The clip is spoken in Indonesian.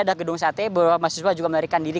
ada gedung sate bahwa mahasiswa juga melarikan diri